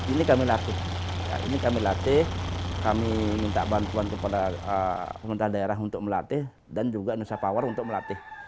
ini kami latih kami minta bantuan kepada pemerintah daerah untuk melatih dan juga indonesia power untuk melatih